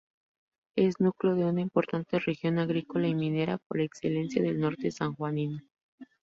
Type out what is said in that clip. Es núcleo de una importante región agrícola y minera por excelencia del norte sanjuanino.